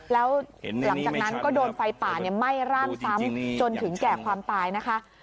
แล้วหลังจากนั้นก็โดนไฟป่าไหม้ร่างซ้ำจนถึงแก่ความตายนะคะ